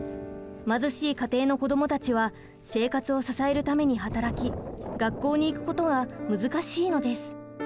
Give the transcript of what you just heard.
貧しい家庭の子どもたちは生活を支えるために働き学校に行くことが難しいのです。